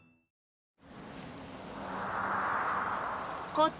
こっち！